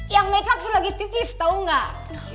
yang makeup gue lagi pipis tau gak